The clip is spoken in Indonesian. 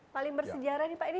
paling bersedia sangat